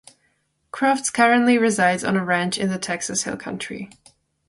Crofts currently resides on a ranch in the Texas hill country.